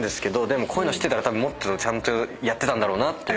でもこういうの知ってたらもっとちゃんとやってたんだろうなと。